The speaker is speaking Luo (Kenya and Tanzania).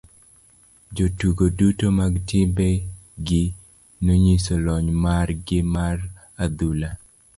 Jotugo duto mag timbe gi nonyiso lony mar gi mar adhula.